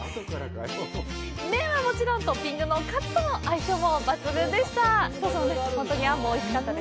麺はもちろん、トッピングのカツとの相性も抜群でした。